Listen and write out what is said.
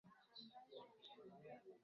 ambayo yanaweza kufikia ndani ya hifadhi